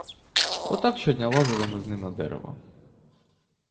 Отак щодня лазили ми з ним на дерево.